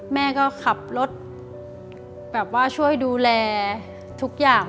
แม่ก็ขับรถช่วยดูแลทุกอย่าง